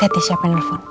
liat deh siapa yang nelfon